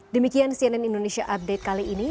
demikian cnn indonesia update kali ini